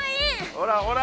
ほらほら！